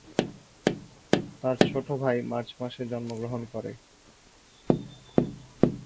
তার ছোট ভাই মার্চ মাসে জন্মগ্রহণ করে।